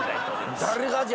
誰がじゃ。